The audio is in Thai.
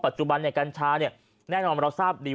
ปัจจุบันในการช้าเนี่ยแน่นอนเราทราบดี